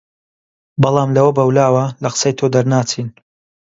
بەڵام لەوە بەولاوە لە قسەی تۆ دەرناچین